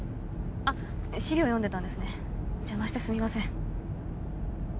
あっ資料読んでたんですね邪魔してすみません